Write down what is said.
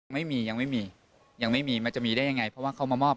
ยังไม่มียังไม่มีมันจะมีได้ยังไงเพราะว่าเขามามอบ